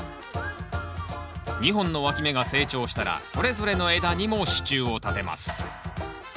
２本のわき芽が成長したらそれぞれの枝にも支柱を立てます。